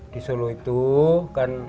di solo itu kan